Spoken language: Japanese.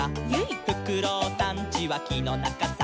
「フクロウさんちはきのなかさ」